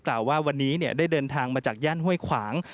กล่าวว่าวันนี้ได้เดินทางมาจากย่านห้วยขวาง